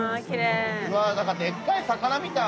何かでっかい魚みたい。